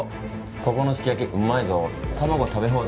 ここのすき焼きうまいぞ卵は食べ放題。